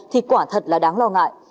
thì quả thật là đáng lo ngại